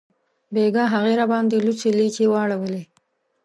بیګاه هغې راباندې لوڅې لیچې واړولې